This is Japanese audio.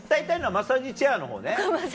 マッサージチェアのほうです。